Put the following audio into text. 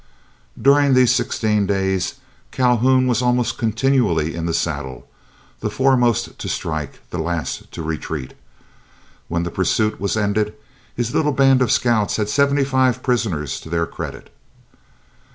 During these sixteen days, Calhoun was almost continually in the saddle, the foremost to strike, the last to retreat. When the pursuit was ended, his little band of scouts had seventy five prisoners to their credit.